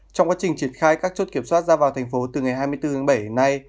trong quá trình triển khai các chốt kiểm soát ra vào thành phố từ ngày hai mươi bốn tháng bảy đến nay